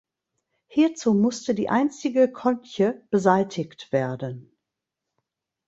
Hierzu musste die einstige Konche beseitigt werden.